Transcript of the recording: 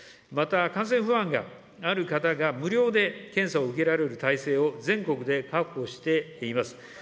また、感染不安がある方が無料で検査を受けられる体制を全国で確保しています。